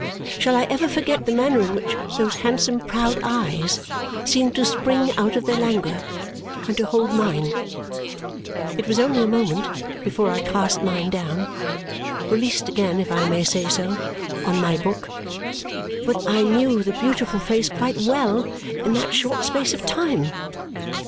Shall I ever forget the manner in which those handsome proud eyes seemed to spring out of their languor and to hold mine! It was only a moment before I cast mine down released again, if I may say so on my book; but I knew the beautiful face quite well in that short space of time.